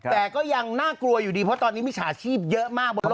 แต่ก็ยังน่ากลัวอยู่ดีเพราะตอนนี้มิจฉาชีพเยอะมากบนรถ